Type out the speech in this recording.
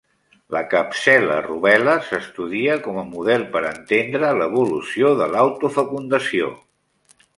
La "capsella rubella" s'estudia com a model per entendre l'evolució de l'autofecundació.